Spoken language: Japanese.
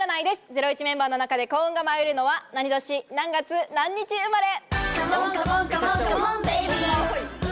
ゼロイチメンバーの中で幸運が舞い降りるのは何年、何月、何日生まれ？